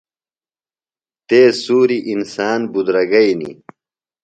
تیز سُوریۡ انسان بُدرَگئینی۔